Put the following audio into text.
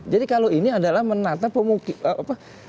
jadi kalau ini adalah menata pemukiman